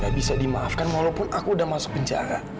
tapi paham sekarang dalam diffokasi ini